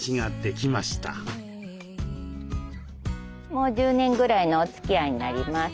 もう１０年ぐらいのおつきあいになります。